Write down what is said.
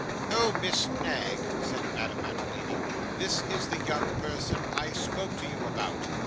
'Oh, Miss Knag,' said Madame Mantalini, 'this is the young person I spoke to you about.